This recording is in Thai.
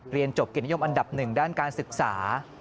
เรียนจบกิจนิยมอันดับหนึ่งด้านการศึกษา